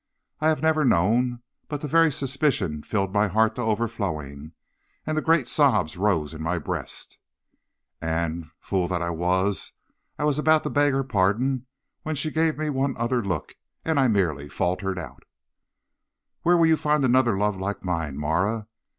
I have never known, but the very suspicion filled my heart to overflowing, and the great sobs rose in my breast; and fool that I was I was about to beg her pardon, when she gave me one other look, and I merely faltered out: "'Where will you find another love like mine, Marah?